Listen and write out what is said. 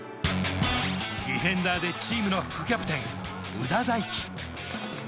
ディフェンダーでチームの副キャプテン・夘田大揮。